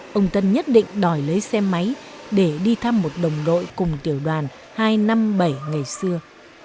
chúng tôi được mời lấy xe máy để đi thăm một đồng đội cùng tiểu đoàn hai năm bảy ngày xưa